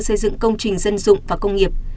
xây dựng công trình dân dụng và công nghiệp